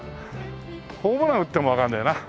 ホームラン打ってもわかんないな。